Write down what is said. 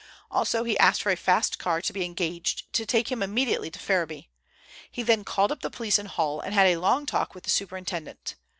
Also he asked for a fast car to be engaged to take him immediately to Ferriby. He then called up the police in Hull, and had a long talk with the superintendent.